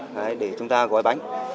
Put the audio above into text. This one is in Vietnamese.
đấy để chúng ta gói bánh